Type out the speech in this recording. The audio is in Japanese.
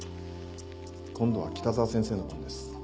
今度は北澤先生の番です。